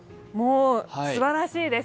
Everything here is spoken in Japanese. すばらしいです！